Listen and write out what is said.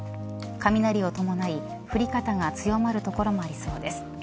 雷を伴い、降り方が強まる所もありそうです。